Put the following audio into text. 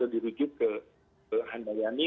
dirujuk ke andayani